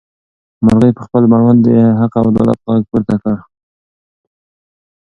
مرغۍ په خپل مړوند د حق او عدالت غږ پورته کړ.